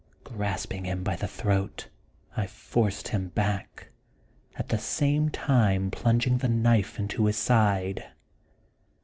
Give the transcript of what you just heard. Grasping him by the throat I forced him back, at the same time plung ing the knife into his side.